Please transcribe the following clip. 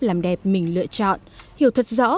làm đẹp mình lựa chọn hiểu thật rõ